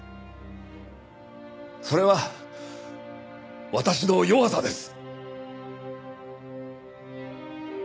それは私の弱さです。